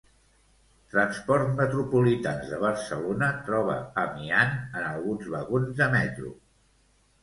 Transports Metropolitans de Barcelona troba amiant en alguns vagons de metro.